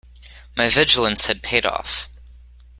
My vigilance had paid off.